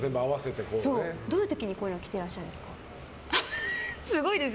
どういう時に着てらっしゃるんですか？